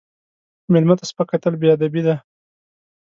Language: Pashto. مېلمه ته سپک کتل بې ادبي ده.